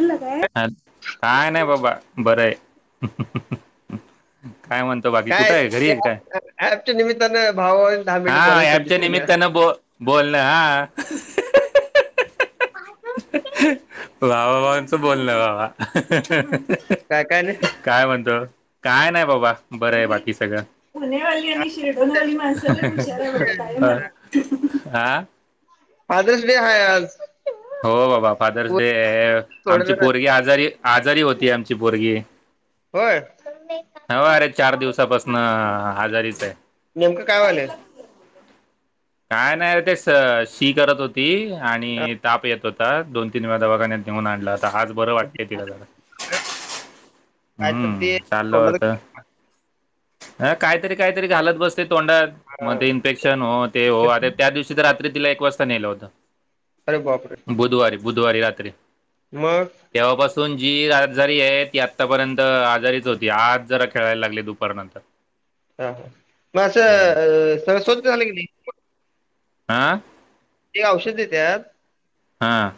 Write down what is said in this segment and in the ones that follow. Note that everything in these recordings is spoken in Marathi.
काय नाही बाबा बर आहे काय म्हणतो बाकी कुठं काय आहे घरी आहे त्या का काय? ऍपच्या निमित्तानं भावाभावाने दहा मिनिटं हा बोलायची संधी ऍपच्या तरी मिळाली. निमित्तान बोल बोलन हा बाबा आमच बोलल बाबा काय काय काय म्हणतो काय नाही बाबा बरं आहे बाकी सगळं पुणेवाली आणि शिरढोणवाली माणसं तुम्ही हुशार हाय बाबा.. काहीही नाही म्हणा... आ फादर्स डे हाय आज हो बाबा फादर्स डे पोरी आहे, आमचे सोडलं नाही. पोरगी आजारी आजारी होती आमची पोरगी होय होय अरे चार दिवसापासनं आजारीच आहे. नेमकं काय टाईम व्हालय लागतो. काय नाही ते शी करत होती हा, आणि ताप येत होते दोन तीन वेळा दवाखान्यात नेऊन आणल आता आज बरं वाटतंय तिला जरा काय तर हम्म ते तोंडांत हा काहीतरी काहीतरी घालत बसते तोंडात हा, मग ते इन्फेक्शन होत हो आ त्या दिवशी तर रात्री तिला एक वाजता नेलं होतं अरे बापरे बुधवारी बुधवारी रात्री मग तेव्हापासून जीआजारी आहे ती आत्तापर्यंत आजारीच होती, आज जरा खेळायला लागली दुपारनंतर हा हा मग असं हम्म अ, सगळं स्वच्छ झालं की नाही हां? ते औषध देत्यात. हां.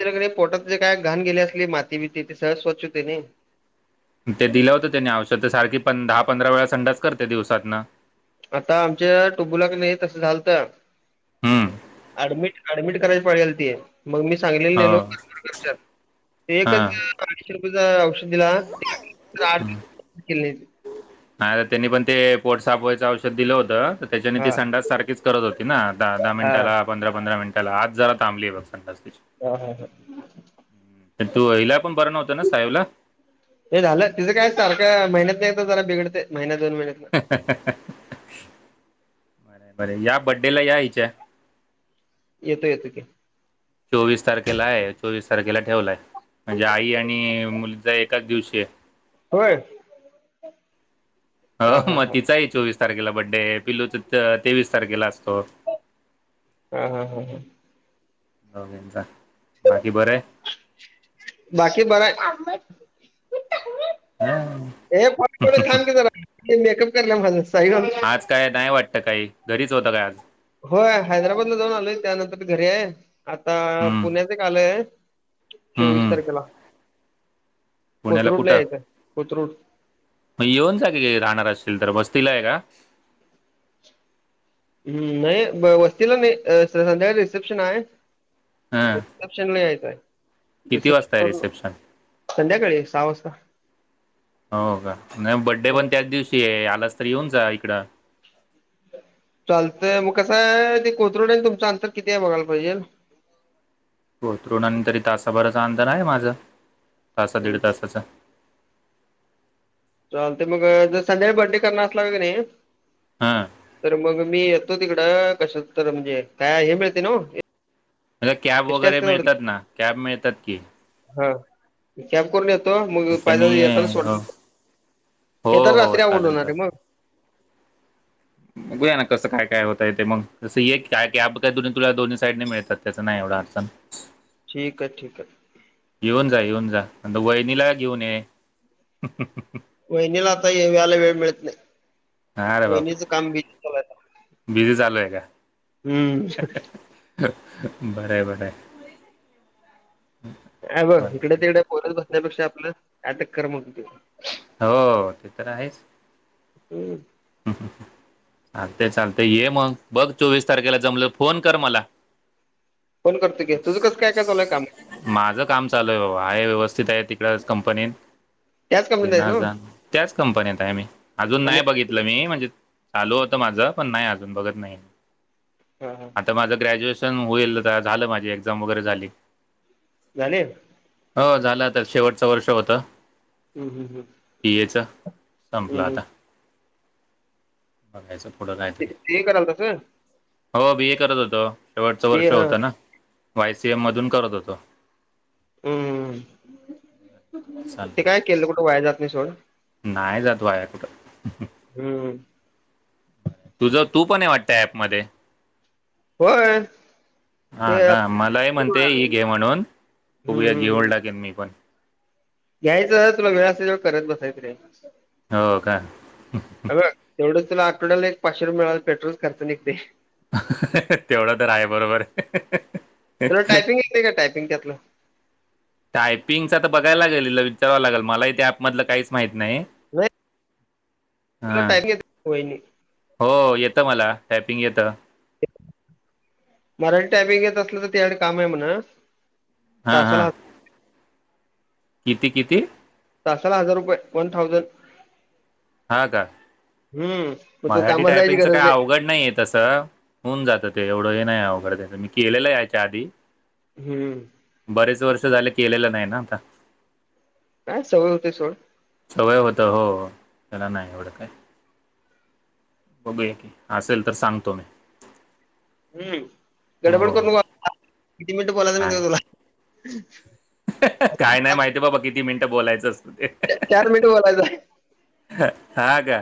तेच्यानी क नाय पोटात जे काय घाण गेली असली, माती बीती ते सगळं स्वच्छ हुतय नई. ते दिलं होतं त्यांनी औषध सारखी पण दहा-पंधरा वेळा संडास करते दिवसातनं. आता आमच्या टुबुला क नाही तसं झालंत हम्म ऍडमिट ऍडमिट करायची पाळी आलती, मग मी सांगलीला हो नेलो तरवडकरच्यात. एकच हा अडीचशे रुपयेचा औषध दिला [unintelligible] हं. केली नाही ती. नाही रे त्यांनी पण ते पोट साफ व्हायचं औषध दिलं होतं तर त्याच्याने हा ती संडास सारखीच करत होती ना दहा-दहा हा मिनिटाला पंधरा-पंधरा मिनि टाला आज जरा थांबली आहे बघ संडास तीची. हा हा हा हम्म आणि तू हीला पण बरं नव्ह त ना सायुला? हे झालं तिचं काय सारखं महिन्यात एकदा जरा बिघडतंय महिन्यात बरं बरं या बड्डेला या हीच्या. येतो येतो की. चोवीस तारखेला आहे चोवीस तारखेला ठेवलाय. म्हणजे आई आणि मुलीचा एकाच दिवशी आहे. होय? अ हा हा मग हा तिचाही चोवीस तारखेला बड्डे आहे पिल्लूचं त-तेवीस तारखेला अस हां हां हां हां. दोघींचा, बाकी बरं आहे? बाकी बरं आहे. हा हे [unintelligible] थांब की जरा मेकअप करल्या माझं. साईबाब आज काय नाही वाटतं काही, घरीच होता काय आज? होय हैदराबादला जाऊन आलोय त्यानंतरन घरी आहे आता हम्म पुण्याचं हम्म एक आलंय. चोवीस हम्म तारखेला. पुण्याला कोथरूडला कुठं? यायचं कोथरूड म येऊन जा की राहणार असशील तर वस्तीला आहे का? हम्म नाही व-वस्तीला नाही अ संध्याकाळी रिसेप्शन आहे. हां रिसेप्शनला यायचंय. किती वाजता आहे रिसेप्शन? संध्याकाळी सहा वाजता. हो का? नाही बड्डे पण हं. त्याच दिवशी आहे, आलास तर येऊन जा इकडं. चालतंय मग कसं आहे ते कोथरूड आणि तुमचं अंतर किती आहे बघायला पाहिजेल. [inaudible] कोथरूड आणि तरी तासाभराचं अंतर आहे माझं, तासा हं, दीड हं. तासाचं. चालतंय मग जर संध्याकाळी बड्डे करणार असलासा क नाई हां तर मग मी येतो तिकडं कशाचं तर म्हणजे काय हे मिळतंय नव्हं? अरे कॅब वगैरे मिळतात ना, कॅब मिळतात की. हा, तु कॅब करून ये तो, मग त्याच्यानी पाहि ये. येताना सोड, हो हो येताना हो रात्री अवघड चालेल होणार रे चालेल मग. बघूया ना कसं काय काय होतय ते मग, तसं काय कॅब काय दुन्ही तुला दोन्ही साईडने मिळतात त्याचं नाही एव अडचण. ठीक आहे ठीक आहे. येऊन जा येऊन जा, वहिनीला घेऊन ये. वहिनीला आता यायला वेळ मिळत नाही. अरे वहिनीचं बापरे काम बिजी चालू आहे आता. बिझी चालू आहे हम्म. बरंय बरंय. हे बघ इकडं तिकडं बोलत बसण्यापेक्षा आपलं कायतर कर म्हणतोय. हो ते तर आहेच. हम्म हम् हम ह चालते चालतंय ये मग बघ चोवीस तारखेला जमलं फोन कर मला. फोन करतो की, तुझं कसं काय काय चालुयं काम? माझं काम चालू आहे बाबा आहे व्यवस्थित आहे तिकडच कंपनीत त्याच हे कंपनीत आहेस ना जा त्याच कंपनीत आहे मी अजून आणि नाही बघित नाई म्हणजे चालू होत माज पण नाई अजून बघत नाहीय हां हां आता माझं ग्रॅज्युएश तन होईल झालं माझी एक्झाम वगैरे झाली झाले हो झालं तर शेवटचं वर्ष होतं हं, हं, हं. पियेचा संपलं हं, हं. आता बघायच पुढं ते काहीतरी ते करायला तसं हो बी ए करत होतो शेवटचं बी वर्ष हां होतं ना वायसीएम मधून करत होतो हम्मम ते चाललंय. काय केलं कुठं वाय जात नाही सोड नाही जातो वाया कुठं हं. तुझं तू पण हे वाटतं ऍप मध्ये होय हा हे का मलाही म्हणते ही हं, घे म्हणून उघया घेऊळ टाकेन मी पण यायचं तुला वेळ असतय तवा करत बसायच रे हो का ह ह बघ तेवढंच तुला आटवड्याला एक पाचशे रुपय मिळालं पेट्रोलच खर्च निघतय हहहह तेवढं तर आहे बरोबर तुला ह टायपिंग येते का टायपिंग त्यातलं टायपिंगच त बघायला लागल हिला विचाराव लागेल मलाही ते त्याप मधलं काहीच माहिती नाही हां टम घ हो येतं मला टायपिंग येतं मराठी टायपिंग येत असलं तर त्याकड काम हाय म्हणा हां ताशाला हां ह किती किती तासाला हजार रुपये वन थाउजंड हा का हम्म मग तो मराठी कामाला जायची टायपिंगच गरज काही नाही अवघड नाहीय तसं होऊन जातं ते एवढं हे नाही अवघड मी केलेलं याच्या आधी हम्म झालं की केलेलं नाही ना आता काय सवय होतय सोड सवय होत हो त्याला नाही एवढं काय बघूया की असेल तर सांगतो मी हम्म गडबड हो करू हो नका किती मिनिटं बोलायला हाय मयतय तु काय नाही माहितीय बाबा किती मिनटं बोलायचंच चार मिनिटं बोलायचाय ह हा का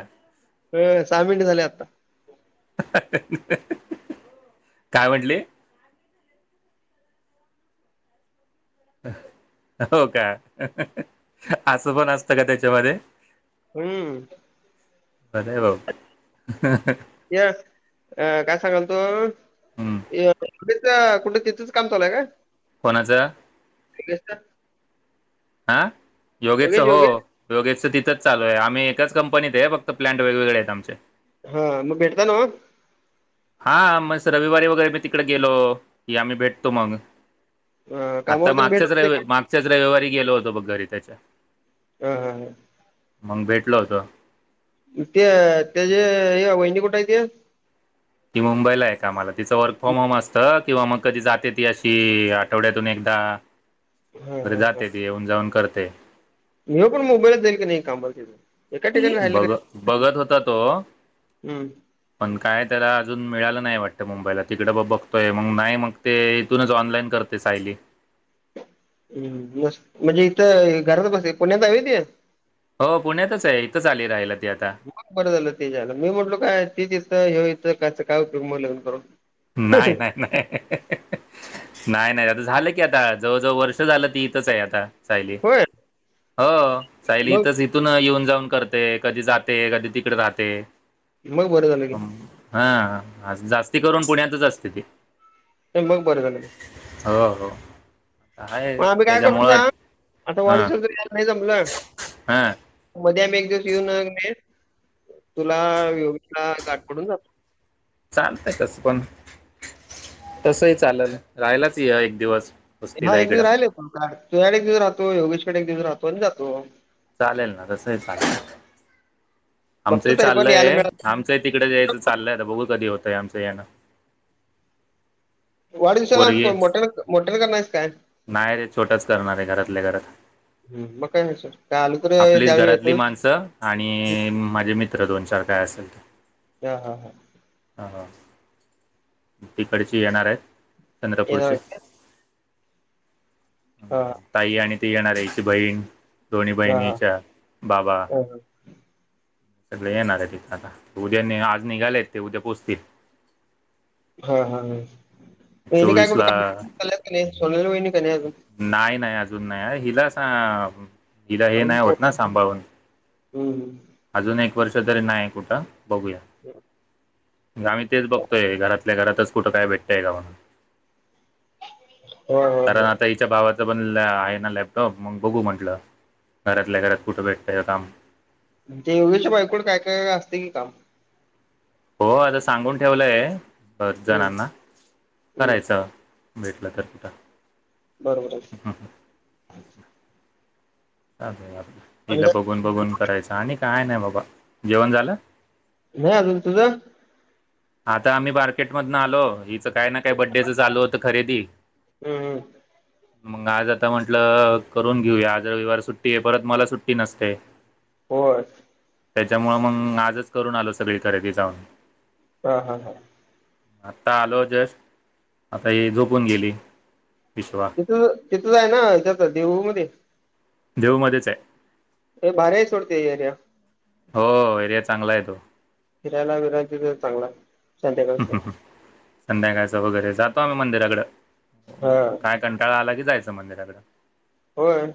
अ सहा मिनट झाले आता हहहह हह काय म्हटले हो का हहहह असं पण असतं का त्याच्यामध्ये हम्म बरं आहे बाबा या अ काय सांगल क हम्म. या कुठे तिथंच काम चालूय का कोणाचं योगेशचं? हा, योगेशचा योगेश हो योगेश योगेश तिथंच चालू आहे, आम्ही एकाच कंपनीत आहे फक्त प्लांट वेगवेगळे आहेत आमचे. हा मग भेटता ना म? हा म स रविवारी वगैरे मी तिकडे गेलो, की आम्ही भेटतो मग. अ आता कामावर तर भेट मागच्याच होत नाही रवि मागच्याच रविवारी गेलो होतो बघ घरी त्याच्या. हा हा हा मग भेटलो होतो. ते त्याची हे वहिनी कुठे आहे ती? ती मुंबईला आहे कामाला, तिचं वर्क फ्रॉम होम असतं किंवा मग कधी जाते ती अशी आठवड्यातून एकदा हा बरे जाते ती, येऊन जाऊन करते. ह्यो पण मुंबईला जाईल की, नाही कामाला तिथं. एका ठिकाणी राहिलं बघ का बघत होता तो, हम्म पण काय? त्याला अजून मिळालं नाही वाटतं मुंबईला, तिकड म बघ बघतोय मग नाही, मग ते इथूनच ऑनलाईन करते सायली. [inaudible] हम्म म म्हणजे इथं अ घरात बस पुण्यात हाय होय ती. हो पुण्यातच आहे इथंच आली राहायला ती आता मग बरं झालं, त्याच्या आयला मी म्हटलो, काय ती तिथं ह्यो इथं. तर काय? त्याचा काय उपयोग मग लग्न करून नाय नाय नाय [inaudible] नाय आता झालं की आता जवळजवळ वर्ष झालं, ती इथंच हाय आता सायली होय हो सायली मग इथच, इथून येऊन जाऊन कर ते, कधी जाते, कधी तिकड राहते. मग बरं झालं घे. हा जास्ती करून, पुण्यातच असते ती. मग बरं झाल. हो हो आहे आम्ही काय करतो त्याच्यामुळं सांग, आता हा वाढदिवसाला यायला, जर नाही जमलं हा मध्ये आम्ही एक दिवस येऊन कणी, तुला योगेशला गाठ पडून जातो. चालतय तस पण, तसही चालंल, रहायलाच या एक दिवस हा वस्तीला एक दिवस इकडं रहायलाच येतो, तुझ्याकडं एक दिवस राहतो. योगेशकडे एक दिवस राहतो आणि जातो. चालेल ना तसंही चालेल. आमचंही बघतो तरी पण यायला चाललंय, मिळालं आमचंही तिकडच यायचं चाललंय, आता बघू कधी होतंय आमच? यायला. पोरगी वाढदिवसाला मोठ्यानं मोठ्यानं करणार आहेस काय? नाही रे छोटाच करणार आहे, घरातल्या घरात. हं, मग काय विषय नाय आलो तर आपलीच त्यावेळी घरातली येतोस माणसं आणि माझे मि त्र दोन चार काय असेल ते. हा हा हा. तिकडचे येणार आहेत येणार चंद्रपूरचे आहेत का? हां, ताई आणि ती येणारे हिची बहीण दोन्ही हां, हां. बहिणीच्या बाबा. हां, हां. सगळे येणार आहेत तिथंन, आता उद्या आज निघालेत ते उद्या पोचतील. ह ह ह एनी काय चोवीस कुठं ला कामाला चाल्यात कि नाही, सोनुले वहिनी? का नाही अजून? नाही नाही अजून नाही हिला आता हिला हे नाही होत, ना सांभाळून हम. अजून एक वर्ष तरी नाही कुठं? बघूया गा आम्ही तेच बघतोय घरात घरातल्या घरातच कुठं काय भेटतय का म्हनून? [unintelligible] कारण, होय. आता हिच्या भावाच पण आहे ना लॅपटॉप मग बघू म्हंटल, घरातल्या घरात कुठं भेटतय का काम? त्या योगेशच्या बायको कडं काय काय असतय, की काम? हो आता सांगून ठेवलय बरेच हं, जणांना हं. करायचं भेटलं तर कुठं. बरोबर, आणि चालतंय काय? बघून-बघून करायचं आणि काय नाही बाबा जेवण झालं नाही अजून तुझं आता आम्ही मार्केटमधन आलो हिच काय ना काय बड्डेच चालू होतं खरेदी हं, हं. मग आज आता म्हंटलं करून घेऊया आज रविवार सुट्टी आहे परत मला सुट्टी नसते हो, त्याच्यामुळं मग आजच करून आलो सगळी खरेदी जाऊन हा! हा! हा, आता आलो जस्ट आता ही झोपून गेली, विश्वा तिथ तिथच आहे ना त्यात देऊ मध्ये, देऊ मध्येच आहे. ए बारा सोडते यर्या हो एरिया चांगला आहे तो, फिरायला-फिरायच तर चांगला संध्याकाळ, संध्याकायचं वगैरे जातो आम्ही मंदिराकड हां. काय कंटाळा आला कि जायचं मंदिराकड होय,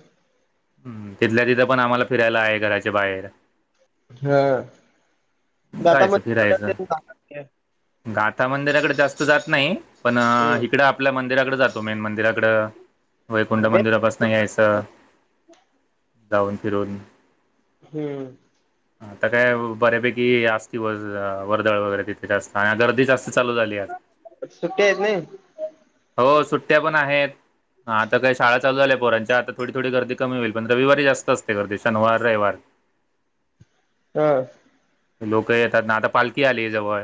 हम्म तिथल्या तिथं पण आम्हाला फिरायला आहे घराच्या बाहेर हा जायचं फिरायचं दातमध्ये, गाथा मंदिराकडे जास्त जात नाही पण हं. इकडं आपल्या मंदिराकडे जातो मेन मंदिरा वैकुंठ मंदिरापासन यायचं [inaudible] जाऊन फिरून हम्म, ता काय बऱ्यापैकी असती व वर्दळ वगैरे तिथे जास्त आणि गर्दीच असते चालू झाली सुट्टी आहेत नाही हो सुट्ट्या पण आहेत. हाता का शाळा लू झाल्या पोरांच्या आता थोडी थोडी गर्दी कमी होईल पण रविवारी जास्त असते गर्दी शनिवार रविवार [inaudible] हा, लोक येतात ना आता पालखी आली जवळ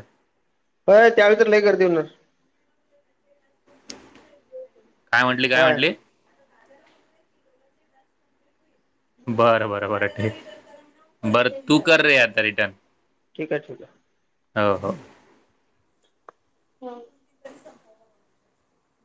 अ त्यावेळी तर लय कर होणार, काय म्हंटली काय म्हटली, बरं-बरं बरं! ठीक बरं तू कर रे आता रिटर्न ठीक आहे ठीक आहे, हो-हो, [unintelligible]